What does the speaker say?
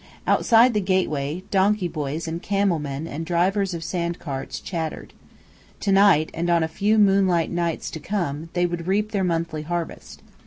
Outside the gateway, donkey boys and camel men and drivers of sandcarts chattered. To night, and on a few moonlight nights to come they would reap their monthly harvest.